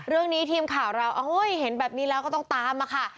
ทีมข่าวเราเห็นแบบนี้แล้วก็ต้องตามมาค่ะ